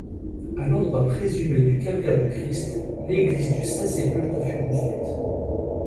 À l'endroit présumé du calvaire du Christ, l'église du Saint-Sépulcre fut construite.